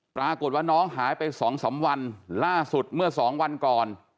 ปรากฏว่าน้องหายไป๒๓วันล่าสุดเมื่อสองวันก่อน